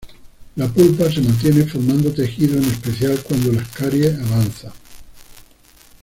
La pulpa se mantiene formando tejido en especial cuando la caries avanza.